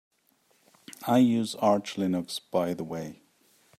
I use Arch Linux by the way.